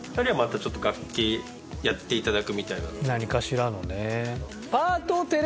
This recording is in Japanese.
何かしらのね。